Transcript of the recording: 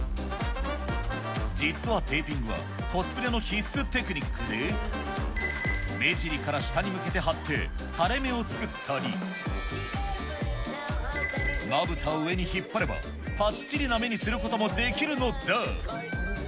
実は、テーピングはコスプレの必須テクニックで、目尻から下に向けて貼って、垂れ目を作ったり、まぶたを上に引っ張れば、ぱっちりな目にすることもできるのだ。